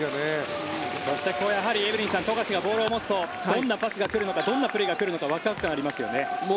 エブリンさん富樫がボールを持つとどんなパスが来るのかどんなプレーが来るかワクワク感ありますね。